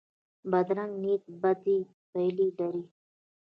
بدرنګه نیت بدې پایلې لري